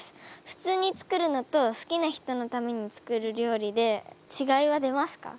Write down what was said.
普通に作るのと好きな人のために作る料理でちがいは出ますか？